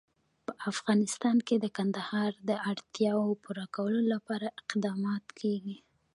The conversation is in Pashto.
په افغانستان کې د کندهار د اړتیاوو پوره کولو لپاره اقدامات کېږي.